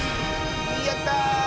やった！